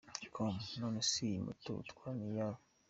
com : None se iyi moto utwara n’iyawe ?.